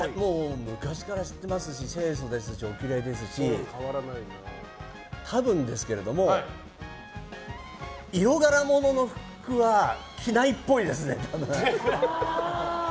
昔から知ってますし清楚ですしおきれいですし多分ですけれども、色柄物の服は着ないっぽいですね。